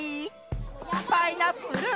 パイナップル。